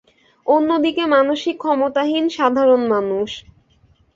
অন্যদিকে মানসিক ক্ষমতাহীন সাধারণ মানুষ।